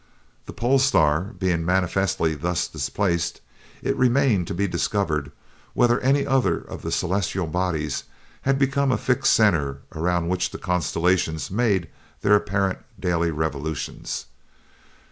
The pole star being manifestly thus displaced, it remained to be discovered whether any other of the celestial bodies had become a fixed center around which the constellations made their apparent daily revolutions.